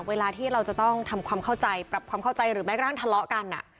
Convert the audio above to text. เวลาที่เราจะต้องทำความเข้าใจปรับความเข้าใจหรือแม้กระทั่งทะเลาะกัน